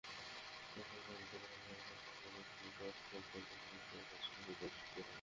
এসব ঘড়িতে সময় দেখার পাশাপাশি দিকনির্দেশনা, তাপমাত্রাসহ স্টপওয়াচের সুবিধা যুক্ত থাকে।